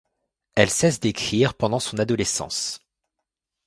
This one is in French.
Elle cesse d'écrire pendant son adolescence.